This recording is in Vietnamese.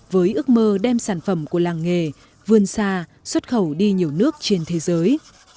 với ước mơ đem sản phẩm của làng nghề vươn xa xuất khẩu đi nhiều nước trên thế giới